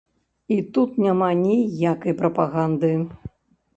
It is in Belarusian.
І тут няма ніякай прапаганды.